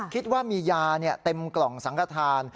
คิดว่ามียาเต็มกล่องสังขทาน